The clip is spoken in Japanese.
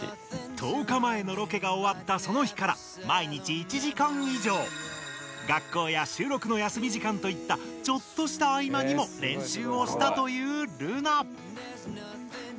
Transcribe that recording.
１０日前のロケがおわったその日から毎日１時間以上学校やしゅうろくの休み時間といったちょっとしたあいまにも練習をしたというルナ。